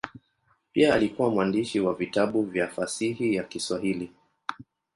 Pia alikuwa mwandishi wa vitabu vya fasihi ya Kiswahili.